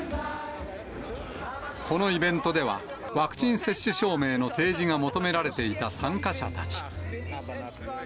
このイベントでは、ワクチン接種証明の提示が求められていた参加者たち。